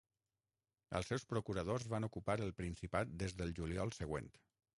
Els seus procuradors van ocupar el principat des del juliol següent.